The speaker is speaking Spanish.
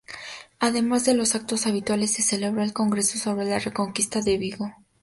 Además de los actos habituales se celebró el Congreso sobre la Reconquista de Vigo.